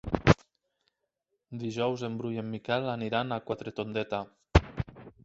Dijous en Bru i en Miquel aniran a Quatretondeta.